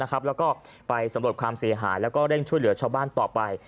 แล้วก็ไปสำรวจความเสียหายแล้วก็เร่งช่วยเหลือชาวบ้านต่อไป